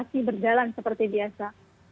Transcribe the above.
masih berjalan seperti biasa